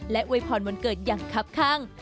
อวยพรวันเกิดอย่างคับข้าง